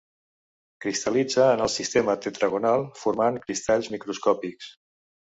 Cristal·litza en el sistema tetragonal, formant cristalls microscòpics.